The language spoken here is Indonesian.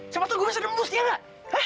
siapa tau gue bisa nembus dia nggak